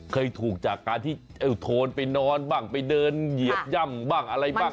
เคยถูกจากการที่โทนไปนอนบ้างไปเดินเหยียบย่ำบ้างอะไรบ้าง